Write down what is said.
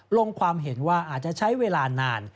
ลงความเห็นว่าอาจจะใช้เวลานาน